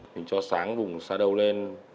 mình cho sáng vùng shadow lên